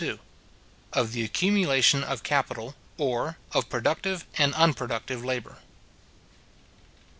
OF THE ACCUMULATION OF CAPITAL, OR OF PRODUCTIVE AND UNPRODUCTIVE LABOUR.